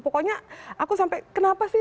pokoknya aku sampai kenapa sih